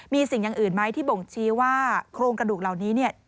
มีสิ่งอย่างอื่นไหมที่บ่งชี้ว่าโครงกระดูกเหล่านี้เนี่ย